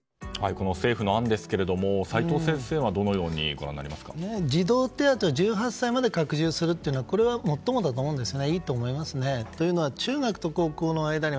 この政府の案ですが齋藤先生はどのように児童手当を１８歳まで拡充するというのはこれは最もだと思うんですね。